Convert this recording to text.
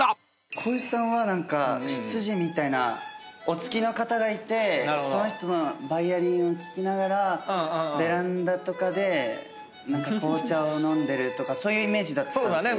光一さんは何か執事みたいなお付きの方がいてその人のバイオリンを聴きながらベランダとかで紅茶を飲んでるとかそういうイメージだったんですよね。